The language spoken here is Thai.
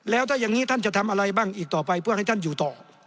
แล้วถ้าอย่างนี้ท่านจะทำอะไรบ้างอีกต่อไปเพื่อให้ท่านอยู่ต่อ